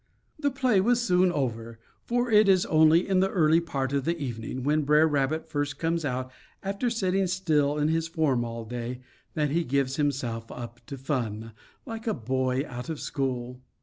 The play was soon over; for it is only in the early part of the evening, when Br'er Rabbit first comes out after sitting still in his form all day, that he gives himself up to fun, like a boy out of school.